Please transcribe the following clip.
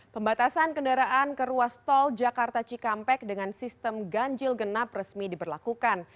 pembatasan kendaraan ke ruas tol jakarta cikampek dengan sistem ganjil genap resmi diberlakukan